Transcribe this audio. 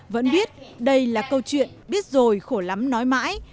vẫn biết đây là câu chuyện biết rồi khổ lắm nói mãi